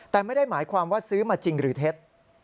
แต่ไม่ได้หมายความว่าซื้อมาจริงหรือเท็จ